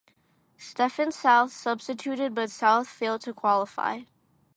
Stephen South substituted but South failed to qualify.